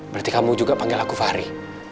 berarti kamu juga panggil aku fahri